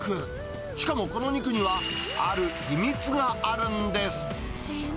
しかもこの肉には、ある秘密があるんです。